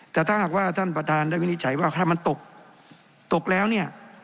แต่ถ้าหากว่าท่านประธานได้วินิจฉัยว่าถ้ามันตกตกแล้วเนี่ย